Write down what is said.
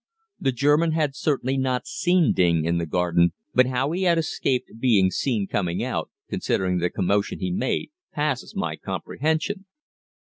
The German had certainly not seen Ding in the garden, but how he had escaped being seen coming out, considering the commotion he made, passes my comprehension.